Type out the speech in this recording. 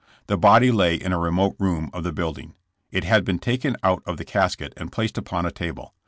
The body lay in a remote room of the building. It had been taken out of the casket and placed upon a table.